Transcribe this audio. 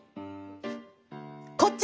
こっち！